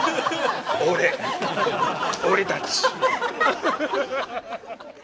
俺俺たち。